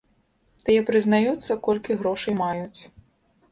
Тыя прызнаюцца, колькі грошай маюць.